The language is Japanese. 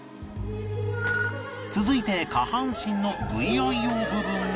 続いて下半身の ＶＩＯ 部分へ